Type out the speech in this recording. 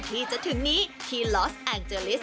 ที่จะถึงนี้ที่ลอสแอนเจอร์ลิส